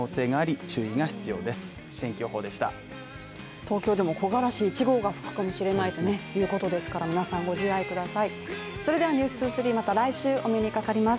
東京でも木枯らし１号が吹くかもしれないということですから皆さんご自愛ください